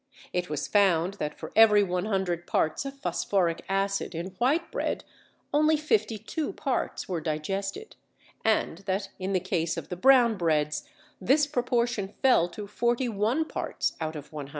It was found that for every 100 parts of phosphoric acid in white bread only 52 parts were digested, and that in the case of the brown breads this proportion fell to 41 parts out of 100.